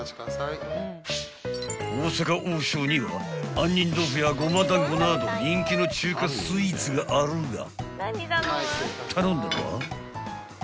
［大阪王将には杏仁豆腐やゴマ団子など人気の中華スイーツがあるが］